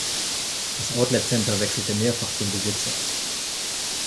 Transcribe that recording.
Das Outlet Center wechselte mehrfach den Besitzer.